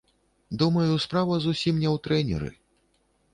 Думаю, справа зусім не ў трэнеры.